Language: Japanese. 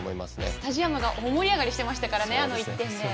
スタジアムが大盛り上がりしてましたからね、あの１点で。